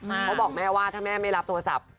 เขาบอกแม่ว่าถ้าแม่ไม่รับโทรศัพท์